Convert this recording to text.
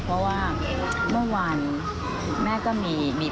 เพราะว่าเมื่อวานแม่ก็มี